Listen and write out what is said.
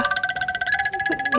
dimarahin teh gini nanti